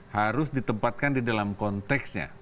harus ditempatkan di dalam konteksnya